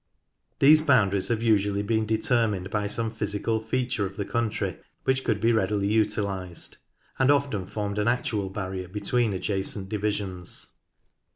These boundaries have usually been determined by some physical feature of the country which could be readily utilised, and often formed an actual barrier between adjacent divisions.